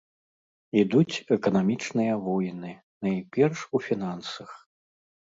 Ідуць эканамічныя войны, найперш у фінансах.